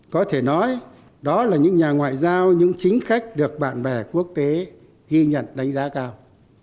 có thể nói đó là những nhà ngoại giao những chính khách được bạn bè quốc tế ghi nhận đánh giá cao